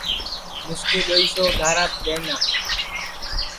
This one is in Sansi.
مِسکُو دؔوئی سو اُدھاراپ دؔئنا